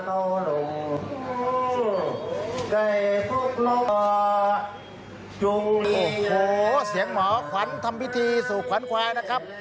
โอ้โหเสียงหมอขวัญทำพิธีสู่ขวัญควายนะครับ